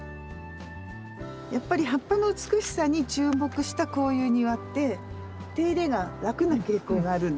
やっぱり葉っぱの美しさに注目したこういう庭って手入れが楽な傾向があるんですよね。